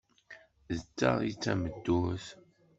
D ta i d tameddurt!